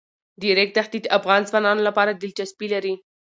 د ریګ دښتې د افغان ځوانانو لپاره دلچسپي لري.